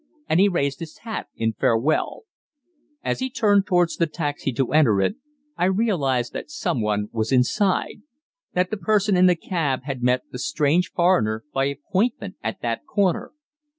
And he raised his hat in farewell. As he turned towards the taxi to enter it, I realized that some one was inside that the person in the cab had met the strange foreigner by appointment at that corner!